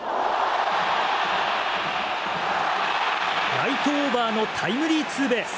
ライトオーバーのタイムリーツーベース。